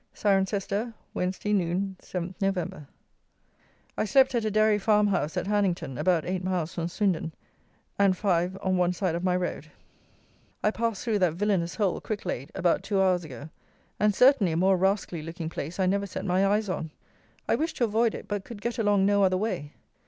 Cirencester, Wednesday (Noon), 7 Nov. I slept at a Dairy farm house at Hannington, about eight miles from Swindon, and five on one side of my road. I passed through that villanous hole, Cricklade, about two hours ago; and, certainly, a more rascally looking place I never set my eyes on. I wished to avoid it, but could get along no other way.